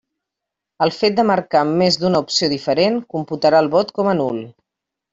El fet de marcar més d'una opció diferent, computarà el vot com a nul.